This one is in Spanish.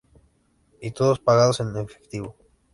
Y todos pagados en efectivo".